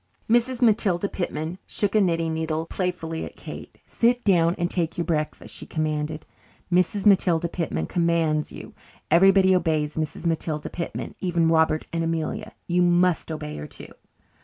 Mrs. Matilda Pitman shook a knitting needle playfully at Kate. "Sit down and take your breakfast," she commanded. "Mrs. Matilda Pitman commands you. Everybody obeys Mrs. Matilda Pitman even Robert and Amelia. You must obey her too."